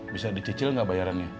bisa dicicil enggak bayarannya